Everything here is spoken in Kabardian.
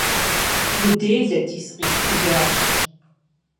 - Уделэти, сыкъипхыжащ.